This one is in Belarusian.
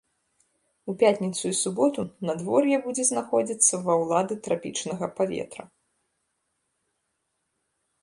У пятніцу і суботу надвор'е будзе знаходзіцца ва ўлады трапічнага паветра.